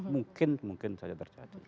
mungkin mungkin saja terjadi